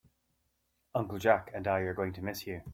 Uncle Jack and I are going to miss you.